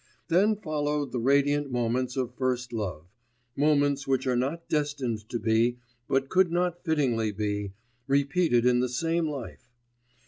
Then followed the radiant moments of first love moments which are not destined to be, and could not fittingly be, repeated in the same life.